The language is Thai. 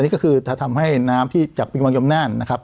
นี่ก็คือทำให้น้ำที่จับทิวงวังยมนั่น